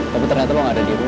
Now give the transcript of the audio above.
tapi ternyata lu gak ada disini